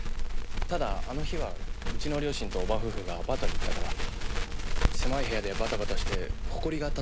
ただあの日はうちの両親と叔母夫婦がアパートに行ったから狭い部屋でバタバタしてホコリが立ったのかも。